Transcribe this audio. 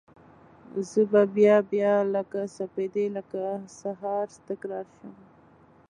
زه به بیا، بیا لکه سپیدې لکه سهار، تکرار شم